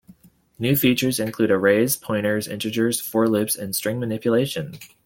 New features include arrays, pointers, integers, for loops and string manipulation.